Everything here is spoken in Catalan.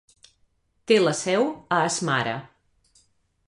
Té la seu a Asmara.